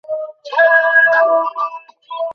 খবরটি মুহূর্তেই চাঞ্চল্যের সৃষ্টি করে।